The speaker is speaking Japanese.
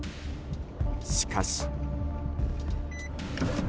しかし。